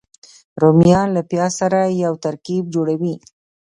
رومیان له پیاز سره یو ترکیب جوړوي